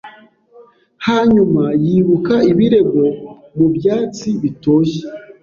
Hanyuma yibuka ibirego mubyatsi bitoshye